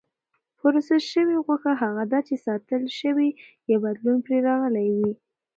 پروسس شوې غوښه هغه ده چې ساتل شوې یا بدلون پرې راغلی وي.